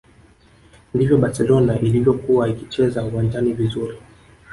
ndivyo barcelona ilivyokuwa ikicheza uwanjani vizuri